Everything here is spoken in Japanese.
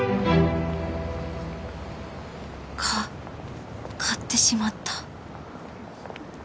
か買ってしまった